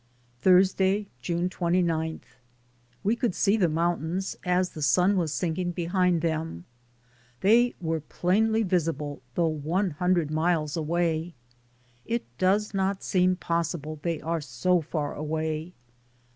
Thursday, June 29. We could see the mountains, as the sun was sinking behind them ; they were plainly visible though one hundred miles away. It does not seem possible they are so far away.